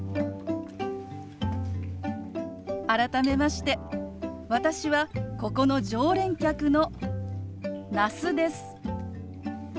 改めまして私はここの常連客の那須です。